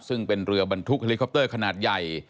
ซึ่งเป็นเรือบรรทุกเฮลิคอปเตอร์ขนาดใหญ่